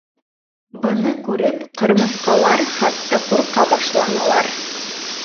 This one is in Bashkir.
Быны күреп, ҡырмыҫҡалар, хатта, ҡурҡа башланылар.